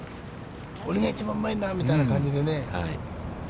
俺が一番うまいんだよみたいな感じでね。